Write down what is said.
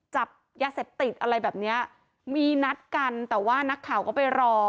จับยาเสพติดอะไรแบบเนี้ยมีนัดกันแต่ว่านักข่าวก็ไปรอ